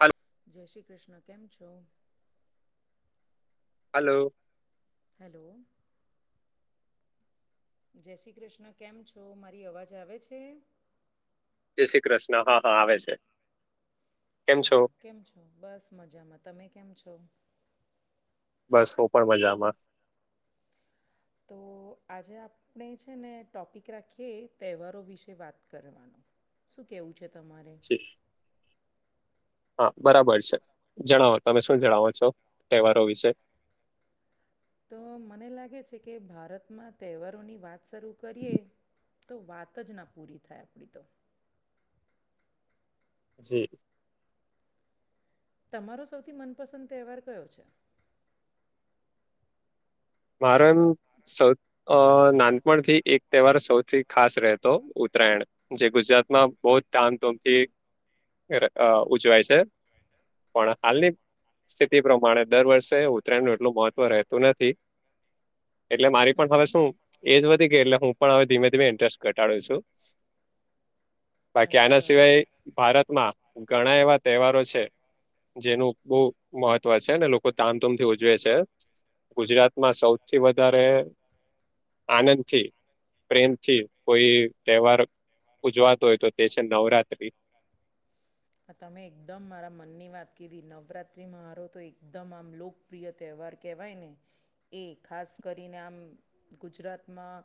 Hello જય શ્રી કૃષ્ણ કેમ છો? હલો હેલો જય શ્રી કૃષ્ણ કેમ છો? મારી અવાજ આવે છે? જય શ્રી કૃષ્ણ હા હા આવે છે. કેમ છો હા કેમ છો બસ મજામાં તમે કેમ છો? બસ હું પણ મજામાં. તો આજે આપ આપણે છે ને ટોપિક રાખીએ તહેવારો વિશે વાત કરવાનો. શું કેવું છે તમારે? [inaudible] હા બરાબર છે જણાવો તમે શું જણાવો છો તહેવારો વિશે? તો મને લાગે છે કે ભારતમાં તહેવારોની વાત શરૂ કરીએ. તો વાત જ ના પૂરી થાય આપણી તો. જી તમારો સૌથી મનપસંદ તહેવાર કયો છે? મારો એમ સૌ નાનપણથી એક તહેવાર સૌથી ખાસ રહેતો ઉત્તરાયણ. જે ગુજરાતમાં બહુ જ ધામધૂમથી ઉજવાય છે. પણ હાલની સ્થિતિ પ્રમાણે દર વર્ષે ઉત્તરાયણ નું એટલું મહત્વ રહેતું નથી. એટલે મારી હમ પણ હમ હવે શું એજ વધી ગઈ એટલે હું પણ હવે ધીમે ધીમે ઇન્ટરેસ્ટ ઘટાડું છું. બાકી આના અચ્છા. સિવાય ભારતમાં ઘણા એવા તહેવારો છે. જેનું બહુ મહત્વ છે અને લોકો ધામધુમથી ઉજવે છે ગુજરાત માં સૌથી વધારે આનંદથી પ્રેમથી કોઈ તહેવાર ઉજવાતો હોય તો તે છે નવરાત્રિ. આ તમે એકદમ મારા મનની વાત કીધી નવરાત્રીમાં હરો તો એકદમ આમ લોક લો પ્રિય તહેવાર કહેવાય ને એ ખાસ કરીને આમ ગુજરાતમાં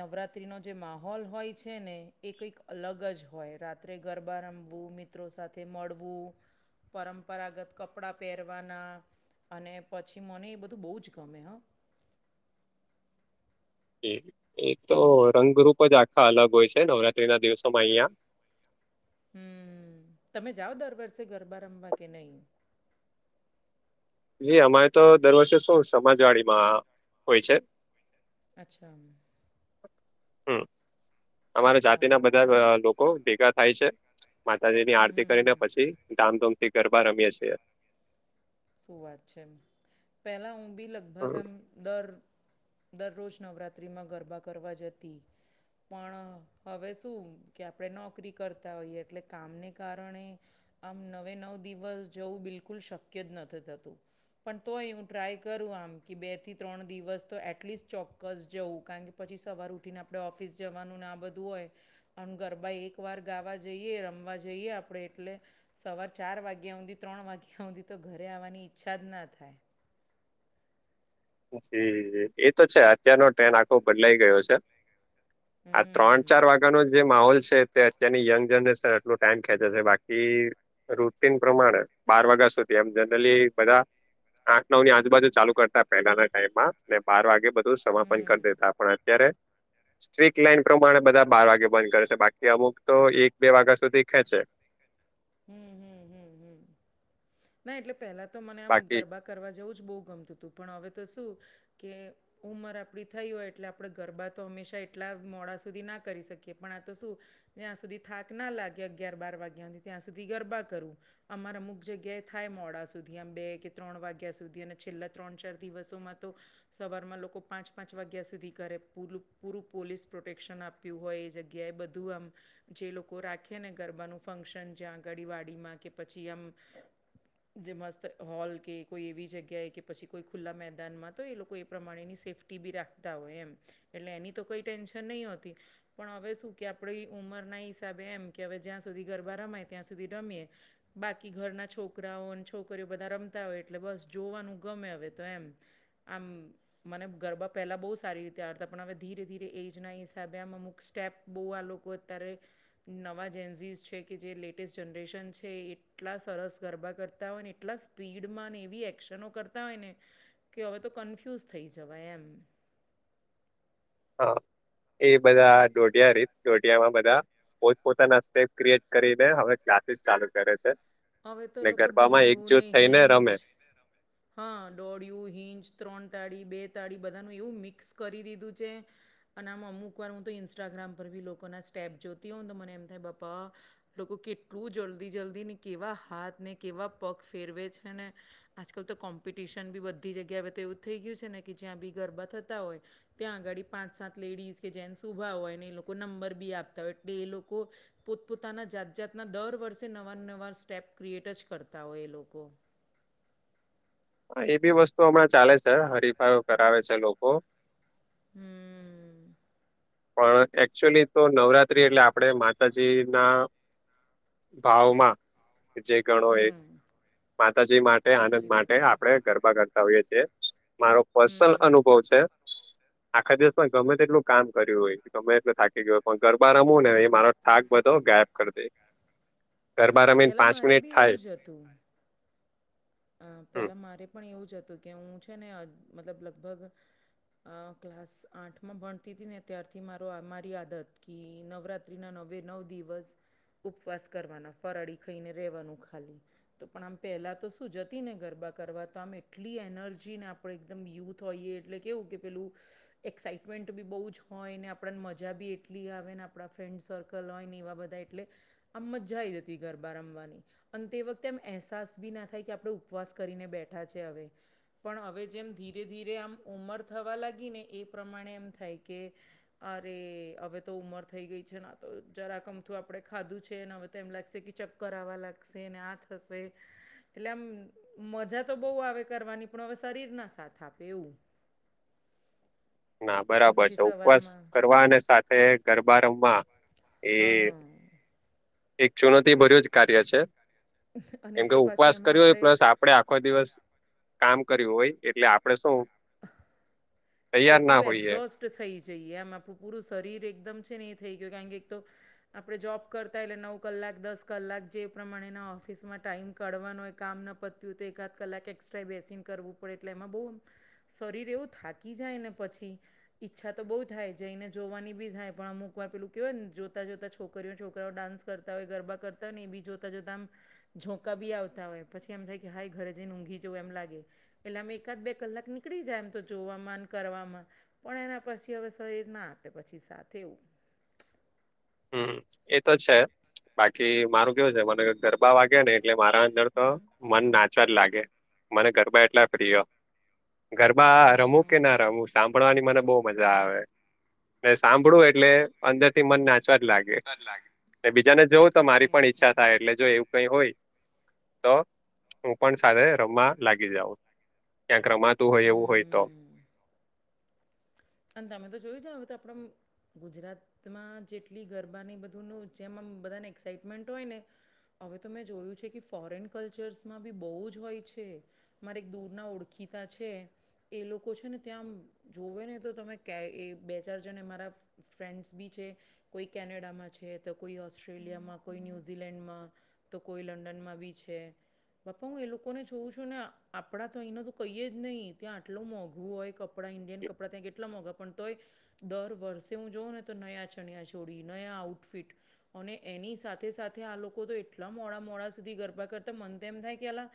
નવરાત્રિનો જે માહોલ હોય છે ને એ કંઈક અલગ જ હોય રા રાત્રે ગરબા રમવું, મિત્રો સાથે મળવું. પરંપરાગત કપડાં પહેરવાના અને પછી મને એ બધું બહુ જ ગમે હા. એ તો રંગરૂપ જ આખા અલગ હોય છે નવરાત્રી ના દિવસોમાં અહિયાં હમ તમે જાઓ દર વર્ષે ગરબા રમવા કે નહી? જી અમારે તો દર વર્ષે શું સમાજવાડીમાં હોય છે. અચ્છા હમ અમારા જાતિના ઓહ બધા લોકો ભેગા થાય છે. માતાજીની હમ આરતી હમ હમ કરીને પછી ધામધૂમ થી ગરબા રમીએે છીએ. શું વાત છે પહેલાં હું બી હમ લગભગ આમ દર દરરોજ નવરાત્રિમાં ગરબા કરવા જતી પણ હવે શું કે આપણે નોકરી કરતા હોઈએ એટલે કામને કારણે આમ નવે નવ દિવસ જવું બિલકુલ શક્ય જ નથી થતું. પણ તોય હું ટ્રાય કરું આમ કે બે થી ત્રણ દિવસ તો એટલીસ્ટ ચોક્કસ જવું કારણ કે પછી સવાર ઉઠીને આપણે ઓફિસ જવાનું ને આ બધું હોય. અને ગરબા એકવાર ગાવા જઈએ રમવા જઈએ આપણે એટલે સવાર ચાર વાગ્યા હુધી ત્રણ વાગ્યા હુધી તો ઘરે આવવાની ઈચ્છા જ ના થાય. જી એ તો છે અત્યારનો ટ્રેન આખો બદલાઈ ગયો છે. હમ. આ ત્રણ ચાર વાગ્યાનો જે માહોલ છે તે ત્યાંની યંગ જનરેશન એટલો ટાઈમ ખેંચે છે બાકી રૂટન પ્રમાણે બાર વાગ્યા સુધી એમ જનરલી બધા આઠ નવ ની આજુબાજુ ચાલુ કરતા પહેલાના ટાઈમમાં ને બાર વાગે બધું સમાપન કરી હમ. દેતા પણ અત્યારે. સ્ટ્રીટ લાઈન પ્રમાણે બધા બાર વાગે બંધ કરે છે બાકી અમુક તો એક બે વાગ્યા સુધી ખેંચે હું હું હું હું ના એટલે પેલા તો મને આમ બાકી ગરબા કરવા જવું જ બહુ ગમતું હતું પણ હવે તો શું કે ઉંમર આપણી થઈ હોય એટલે આપણે ગરબા તો હંમેશા એટલા મોડા સુધી ના કરી શકીએ પણ આ તો શું જ્યાં સુધી થાક ના લાગે અગિયાર બાર વાગ્યા થી ત્યાં સુધી ગરબા કરુ. અમાર અમુક જગ્યાએ થાય મોડા સુધી આમ બે કે ત્રણ વાગ્યા સુધી અને છેલ્લા ત્રણ ચાર દિવસોમાં તો સવારમાં લોકો પાંચ પાંચ વાગ્યા સુધી કરે પૂરું પૂરું પોલીસ પ્રોટેક્શન આપે આપ્યું હોય એ જગ્યાએ બધું આમ જે લોકો રાખે ને ગરબાનું ફંક્શન જ્યાં આગાડી વાડીમાં કે પછી આમ જે મસ્ત હોલ કે કોઈ એવી જગ્યાએ કે પછી કોઈ ખુલ્લા મેદાનમાં તો એ લોકો એ પ્રમાણેની સેફ ટી બી રાખતા હોય એમ એટલે એની તો કોઈ ટેન્શન નહિ હોતી. પણ હવે શું કે આપણી ઉંમરના હિસાબે એમ કે હવે જ્યાં સુધી ગરબા રમાય ત્યાં સુધી રમીએ બાકી ઘરના છોકરાઓ અને છોકરીઓ બધા રમતા હોય એટલે બસ જોવાનું ગમે હવે તો એમ આમ. મને ગરબા પહેલાં બહુ સારી રીતે આવડતા પણ હવે ધીરે ધીરે એજના હિસાબે આમ અમુક સ્ટેપ બહુ આ લોકો અત્યારે નવા જેન્ઝીજ છે કે જે લેટ ટે જનરેશન છે એટલા સરસ ગરબા કરતા હોય ને એટલા સ્પીડમાં એવી એક્શનો કરતા તા હોય ને કે હવે તો કન્ફ્યુઝ થઈ જવાય એમ હા એ બધા ડોઢિયા રીત દોઢિયામાં બધા પોત પોતાના સ્ટેપ ક્રિએટ કરીને હવે ક્લાસીસ ચાલુ કરે છે. હવે તો ને લોકો ગરબામાં દોડય્યું ને એકજૂટ થઈને રમે હિન્ચ હા દોળિયું હિંજ ત્રણ તાળી બે તાળી બધાનું એવું મિક્સ કરી દીધું છે. અને આમ અમુક વાર હું તો ઇન્સ્ટાગ્રામ પર બી લોકોના સ્ટેપ જોતી હોઉ તો મને એમ થાય બાપા લોકો કેટલું જલ્દી જલ્દી ને કેવા હાથ ને કેવા પગ ફેરવે છે ને આજકાલ તો કોમ્પિટિશન બી બધી જગ્યાએ તો એવું થઈ ગયું છે ને કે જ્યાં બી ગરબા થતા હોય ત્યાં આગાડી પાંચ સાત લેડીઝ કે જેન્ટ્સ ઊભા હોય ને એ લોકો નંબર બી આપતા હોય એટલે એ લોકો પોતપોતાના જાત જાતના દર વર્ષે નવા નવા સ્ટેપ ક્રિએટ જ કરતા હોય એ લોકો એ બી વસ્તુ હમણાં ચાલે છે હરીફાઈઓ કરાવે છે લોકો હમ. પણ એકચુઅલી તો નવરાત્રી એટલે આપણે માતાજી ના ભાવમાં કે જે. ગણો એક હમ માતાજી માટે આનંદ સાચી વાત માટે છે આપણે ગરબા કરતા હોઈએ છીએ. મારો પર્સનલ હમ અનુભવ છે આખા દિવસમાં ગમે તેટલું કામ કર્યું હોય ગમે એટલે થાકી ગયો હોય પણ ગરબા રમો ને એ મારો થાક બધો ગાયબ કર દે. ગરબા રમીને પાંચ મિનિટ થાય. તુમ. અ હમ પહેલા મારે પણ એવું જ હતું કે હું છે ને મતલબ લગભગ અ ક્લાસ આઠમાં ભણતી હતી ને ત્યારથી મારો મારી આદત કે નવરાત્ર ત્રી ના નવે નવ દિવસ. ઉપવાસ કરવાના ફરાળી ખાઈને રહેવાનું ખાલી તો પણ આમ પહેલાં તો હું જતી ને ગરબા કરવા તો આમ એટલી એનર્જીને આપણે એકદમ યુથ હોઈએ એટલે કેવું કે પેલું એક્સાાઈટમેન્ટ બી બહુ જ હોય ને આપણને મજા બી એટલી આવે ને આપણા ફ્રેન્ડ સર્કલ કલ હોય ને એવા બધા એટલે આમ મજા આવી જતી ગરબા રમવાની અને તે વખતે એમ અહેસાસ બી ના થાય થાય કે આપણે ઉપવાસ કરીને બેઠા છે હવે પણ હવે જેમ ધીરે ધીરે આમ ઉંમર થવા લાગી ને એ પ્રમાણે એમ થાય કે અરે હવે તો ઉમર થઈ ગઈ છે ના તો જરાકમથું આપડે ખાધું છે ને હવે તો એમ લાગશે કે ચપ કરાવવા લાગશે આ થશે એટલે આમ મજા તો બહુ આવે કરવાની પણ હવે શરીરના સાથ આપે એવું ઇ ના અને બરાબર પછી છે ઉપવાસ સવારમાં કરવા અને સાથે ગરબા રમવા એ હા એક ચુનતીભર્યું જ કાર્ય છે અને કેમ એક કે તો પાછું ઉપવાસ એમાં કર્યો આપણે પ્લસ આપડે આખો દિવસ કામ કર્યું હોય એટલે આપડે શું એક તૈયાર ના પેલું હોઈએ એક્ઝોસ્ટ થઈ જઈએ એમ આપણું પૂરું શરીર એકદમ છે ને એ થઈ ગયું કારણ કે એક તો આપણે જોબ કરતા એટલે નવ કલાક દસ કલાક જે પ્રમાણેના ઓફિસમાં ટાઈમ કવાનું હોય કામ ન પત્યું હોય તો એકાદ કલાક એક્સ્ટ્રા બેસીને કરવું પડે એટલે એમાં બહુ શરીર એવું થાકી જાય ને પછી ઈચ્છા તો બહુ થાય જઈને જોવાની બી થાય પણ અમુક વા પેલું કેહેવાય ને જોતા જોતા છોકરા છોકરીઓ છોકરાઓાન્સ કરતા હોય ગરબા કરતા હોય ને એ બી જોતા જોતા આમ ઝોંકા બી આવતા હોય પછી એમ થાય કે હાઈ ઘરે જઈને ઊંઘી જવું એમ લાગે એટલે અમે એકાદ બે કલાક નીકળી જાય એમ તો જો સમાન કરવામાં પણ એના પછી હવે શરીર ના આપે પછી સાથે એવું હમ એ તો છે બાકી મારું કેવું છે મને ગરબા વાગે ને એટલે મારા અંદર તો મન નાચવા જ લાગે મને ગરબા એટલા પ્રિય ઘરમાં રમું કે ના હમ રમું સાંભળવાની મને બહ મજા આવે સાંભળું એટલે અંદર થી મન નાચવા જ લાગે બીજાને જોવું તો મારી સાચી પણ વાત છે. ઈચ્છા થાય એટલે જો એવું કઈ હોય તો હું પણ સાથે રમવા લાગી જાઉં ક્યાંક રમાતું હોય એવું હોય તો હમ અને તમે તો જોઈ જાઓ હવે તો આપડ ગુજરાતમાં જેટલી ગરબાની બધુંનું જેમાં બધાને એક્સાઈટમેન્ટ હોય ને હવે તો મેં જોયું છે કે ફોરેન કલ્ચર્સમાં બી બહુ જ હોય છે મારે એક દૂરના ઓળખીતા છે એ લોકો છે ને ત્યાં જોવે ને તો તમે ક એ બે ચાર જણે મારા ફ્રેન્ડ્સ બી છે કોઈ કેનેડામાં છે તો કોઈ ઓસ્ટ્રેલિયામાં કોઈ ન્યૂઝીલેન્ડમાં તો કોઈ લંડનમાં બી છે બાપા હું એ લોકોને જોઉં છું ને આપણા તો અહીંનો તો કહીએે જ નહીં ત્યાં આટલો મોંઘું હોય કપડાં ન કપડા ત્યાં કેટલા મોંઘા પણ તોય દર વર્ષે હું જોઉં ને તો નયા ચણિયા છોડી નયા આઉટફિટ અને એની સાથે સાથે આ લોકો તો એટલા મોડા મોડા સુધી ગરબા કરતા મન તો એમ થાય કે આલા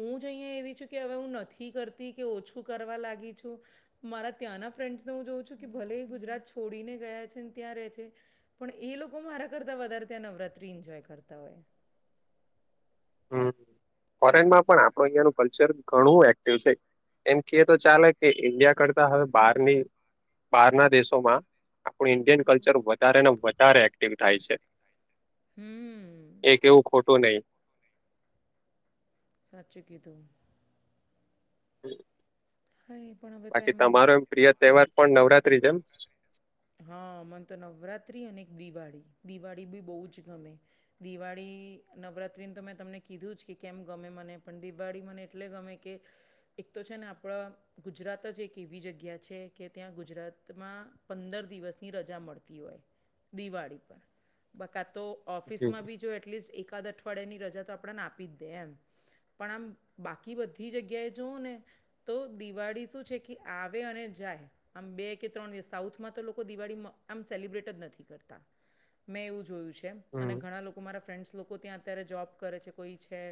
હું જ અહીં એવી છું કે હવે હું નથી કરતી કે ઓછું કરવા લાગી છું મારા ત્યાંના ફ્રેન્ડ્સને હું જોઉં છું કે ભલે ગુજરાત છોડીને ગયા છે ને ત્યાં રહે છે પણ એ લોકો મારા કરતાં વધારે ત્યાં નવરાત્રિ એન્જોય કરતા હોય હમ ફોરેનમાં પણ આપણું અહિયાયાનું કલ્ચર ઘણું એક્ટિવ છે એમ કે એ તો ચાલે કે ઈન્ડિયા કરતા હવે બહારની બહારના દેશોમાં આપણું ઈન્ડિયન કલ્ચર વધારે ને વધારે એક્ટિવ થાય છે હમ એક એવું ખોટું નહીિ સાચચી કીતોું હમ હા એ પણ હવે તો એમ પ્રિય તહેવાર પણ નવરાત્રી જે એમ હા મમને તો નવરાત્ર્રી અને દિવાળી દિવાળી બી બહુ જ ગમે દિવાળી નવરાત્રિને તો મેં તમને કીધું જ કે કેમ ગમે મને પણ દિવાળી મને એટલે ગમે કે એક તો છે ને આપણા ગુજરાત જ એક એવી જગ્યા છે કે ત્યાં ગુજરાતમા પંદર દિવસની રજા મળતી હોય દિવાળી પર બકા તો ઓફિસમાં બી જો એટલીસ્ટ એકાદ અઠવાડિયાની રજા તો આપણને આપી જ દે એમ પણ આમ બાકી બધી જગ્યાએ જવઓ ને તો દિવાળી શું છે કે આવે અને જાય આમ બે કે ત્રણ દિવસ સાઉથ તો દિવાળી આમ સેલિબ્રેટ જ નથી કરતા મેં એવું જોયું છે, અને હમ ઘણા લોકો મારા ફ્રેન્ડ્સ લોકો ત્યાં અત્યારે જોબ કરે છે કોઈ છે.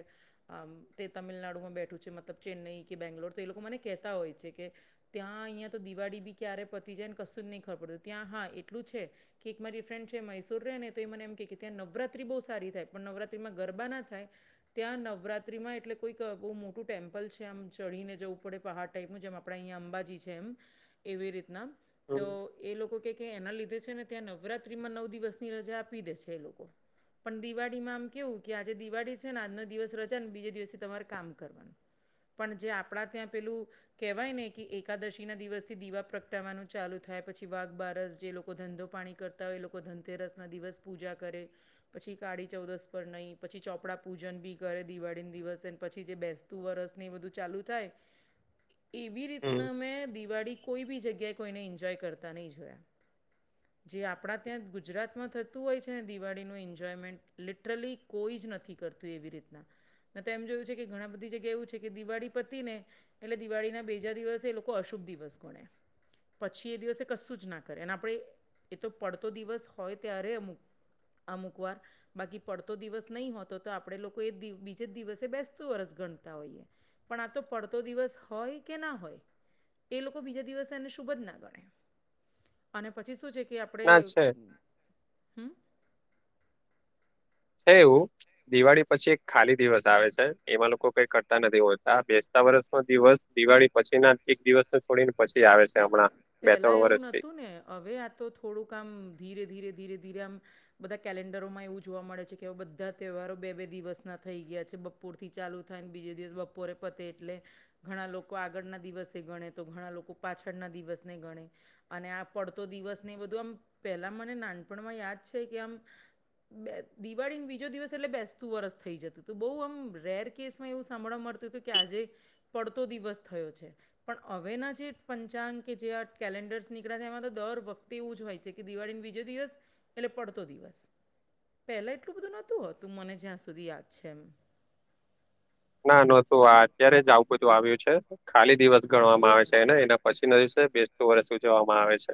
આમ તે તમિલનાડુમાં બેઠું છે મતલબ ચેન્નઈ કે બેંગ્લોર તો એ લોકો મને કહેતા હોય છે, કે ત્યાં અહીંયા તો દિવાળી બી ક્યારે પતી જાય ને કશું જ નહીં ખબર પડતું ત્યાં હા એટલું છે. કે એક મારી ફ્રેન્ડ છે મૈસૂર રે ને તો એ મને એમ કે ત્યાં નવરાત્રી બોવ સારી થાય પણ નવરાત્રીમાં ગરબા ના થાય. ત્યાં નવરાત્રીમાં એટલે કોઈક બહુ મોટું ટેમ્પલ છે આમ ચડીને જવું પડે પહાડ ટાઈપનું જેમ આપણા અહીંયા અંબાજી છે, એમ એવી રીતના હમ તો એ લોકો કે કે એના લીધે છે ને ત્યાં નવરાત્રીમાં નવ દિવસની રજા આપી દે છે એ લોકો. પણ દિવાળીમાં આમ કેવું કે આજે દિવાળી છે ને આજનો દિવસ રજા ને બીજે દિવસથી તમારે કામ કરવાનુ પણ જે આપણા ત્યાં પેલુ કહેવાય ને કે એકાદશી ના દિવસથી દીવા પ્રગટાવાનું ચાલુ થાય. પછી વાઘ બારસ જે લોકો ધંધો પાણી કરતા હોય એ લોકો ધનતેરસના દિવસ પૂજા કરે પછી કાળી ચૌદસ પર નહીં પછી ચોપડા પૂજન બી કરે દિવાળીને દિવસ એ પછી જે બેસતું વરસ ને એ બધું ચાલુ થાય. એવી હમ રીતના મેં દિવાળી કોઈ બી જગ્યાએ કોઈને એન્જોય કરતા નહીં જોયા. જે આપણા ત્યાં ગુજરાતમાં થતું હોય છે દિવાળીનું એન્જોયમેન્ટ લિટરલી કોઈ જ નથી કરતું એવી રીતના મેં તો એમ જોયું છે કે ઘણા બધી જગ્યા એવું છે કે દિવાળી પતી ને એટલે દિવાળી ના બીજા દિવસે એ લોકો અશુભ દિવસ ગણે પછી એ દિવસે કશું જ ના કરે અને આપણે એ તો પડતો દિવસ હોય ત્યારે અમુક અમુકવાર બાકી પડતો દિવસ નહી હોતો તો આપણેે લોકો એ બીજે જ દિવસે બેસતું વર્ષ ગણતા હોઈએ. પણ આ તો પડતો દિવસ હોય કે ના હોય એ લોકો બીજા દિવસે એને શુભ જ ના ગણે. અને પછી શું છે કે આપણે ના છે હમ. હે એવું દિવાળી પછી એક ખાલી દિવસ આવે છે એમાં લોકો કઈ કરતા નથી હોતા બે સતા વર્ષનો દિવસ દિવાળી પછીના દિવસ છોડીને પછી આવે છે ના પણ હમણાં બે પહેલા ત્રણ એવું વર્ષથી નહોતું ને હવે આ તો થોડુંક આમ ધીરે ધીરે ધીરે ધીરે આમ બધા કેલેન્ડરોમાં એવું જોવા મળે છે કે હવે બધા તહેવારો બે બે દિવસના થઈ ગયા છે. બપૂરથી ચાલુ થાય ને બીજે દિવસ બપોરે પતે એટલે ઘણા લોકો આગળના દિવસે ગણે તો ઘણા લોકો પાછળના દિવસને ગણે. અને આ પડતો દિવસ ને બધું આમ પેલા મને નાનપણમાં યાદ છે કે આમ બે દિવાળીને બીજો દિવસ એટલે બેસતું વરસ થઈ જતું હતું બહુ આમ રેર કેસમાં એવુંં સાભળવા મળતું હતુ, કે કે આજે પડતો દિવસ થયો છે પણ હવેના જે પંચાંગ કે જે આ કેલેન્ડર્સ નીકળે છે એમાં તો દર વખતે એવું જ હોય છે કે દિવાળીને બીજો દિવસ એટલે પડતો દિવસ પહેલા એટલું બધું નહોતું હોતું મને જ્યાં સુધી યાદ છે, એમ ના નતું આ અત્યારે જ આવું બધું આવ્યું છે ખાલી દિવસ ગણવામાં આવે હમ છે, એને પછીના દિવસે બેસતું વર્ષ ઉજવામાં આવે છે.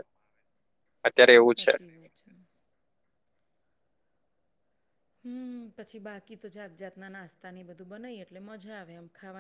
અત્યારે એવું જ છે સાચી વાત છે. હમ પછી બાકી તો જાત જાતના નાસ્તા ને બધું બનાઈ એટલે મજા આવે આમ ખાવાની